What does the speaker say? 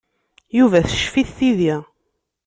Yuba teccef-it tidi.